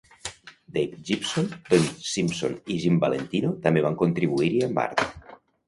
Dave Gibbons, Don Simpson i Jim Valentino també van contribuir-hi amb art.